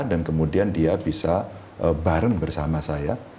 dan kemudian dia bisa bareng bersama saya